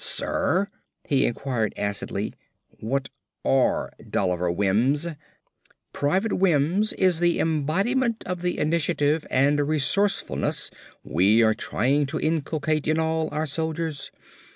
"Sir," he inquired acidly, "What are dolliver wims?" "Private Wims is the embodiment of the initiative and resourcefulness we are trying to inculcate in all our soldiers.